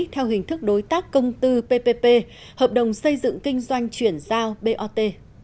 theo hình thức đối tác công tư ppp hợp đồng xây dựng kinh doanh chuyển giao bot